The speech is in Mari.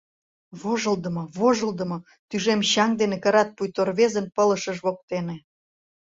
«Вожылдымо, вожылдымо!..» — тӱжем чаҥ дене кырат пуйто рвезын пылышыж воктене.